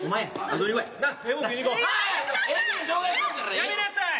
やめなさい！